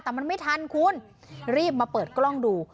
แต่มันไม่ทันคุณรีบมาเปิดกล้องดู